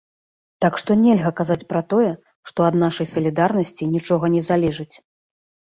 Так што нельга казаць пра тое, што ад нашай салідарнасці нічога не залежыць.